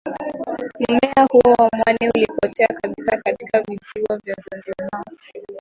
Mmea huo wa mwani ulipotea kabisa katika visiwa vya Zanzibar